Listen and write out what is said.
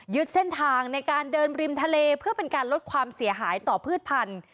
เส้นทางในการเดินริมทะเลเพื่อเป็นการลดความเสียหายต่อพืชพันธุ์